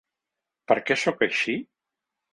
“Per què sóc així?”